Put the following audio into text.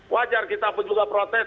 wajar kita pun juga protes